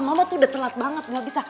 mama tuh udah telat banget gak bisa